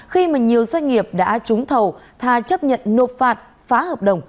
khi mà nhiều doanh nghiệp đã trúng thầu thà chấp nhận nộp phạt phá hợp đồng